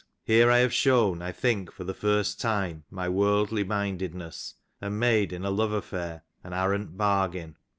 Here I have shewn, I " think for the first time, my worldly mindedness, and made, in a "love affair, an arrant bargain."